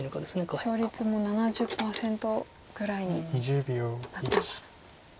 勝率も７０％ぐらいになっています。